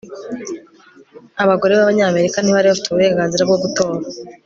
Abagore bAbanyamerika ntibari bafite uburenganzira bwo gutora